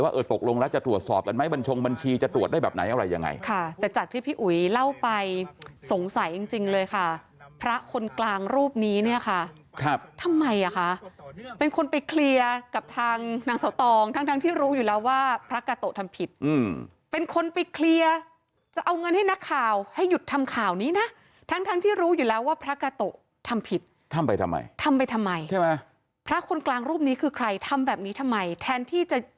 ฝ่ายของศรีกาศรีกาศรีกาศรีกาศรีกาศรีกาศรีกาศรีกาศรีกาศรีกาศรีกาศรีกาศรีกาศรีกาศรีกาศรีกาศรีกาศรีกาศรีกาศรีกาศรีกาศรีกาศรีกาศรีกาศรีกาศรีกาศรีกาศรีกาศรีกาศรีกาศรีกาศรีกาศรีกาศรีกาศรีกาศรีก